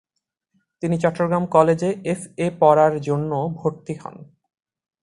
তিনি চট্টগ্রাম কলেজে F. A. পড়ার জন্য ভর্তি হন।